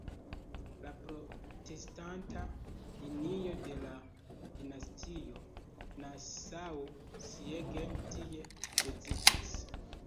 La protestanta linio de la dinastio "Nassau-Siegen" tie rezidis.